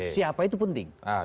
siapa itu penting